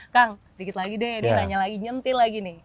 kang sedikit lagi deh ini nanya lagi nyentil lagi nih